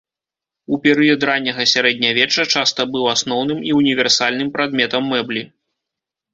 У перыяд ранняга сярэднявечча часта быў асноўным і універсальным прадметам мэблі.